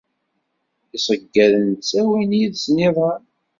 Iseyyaden ttawin yid-sen iḍan.